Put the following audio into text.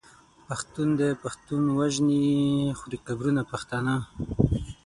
پښتون دی پښتون وژني خوري قبرونه پښتانه